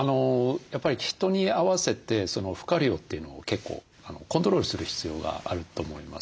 やっぱり人に合わせて負荷量というのを結構コントロールする必要があると思います。